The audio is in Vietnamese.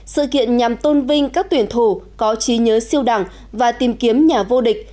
sự kiện nhằm tôn vinh các tuyển thủ có trí nhớ siêu đẳng và tìm kiếm nhà vô địch